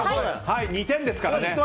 ２点ですからね。